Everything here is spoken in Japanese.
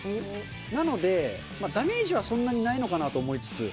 なので、ダメージはそんなにないのかなと思いつつ。